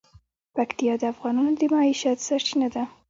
پکتیا د افغانانو د معیشت سرچینه ده.